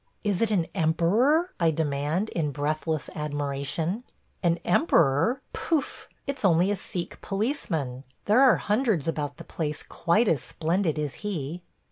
"Is it an emperor?" I demand, in breathless admiration. "An emperor! Poof! it's only a Sikh policeman. There are hundreds about the place quite as splendid as he."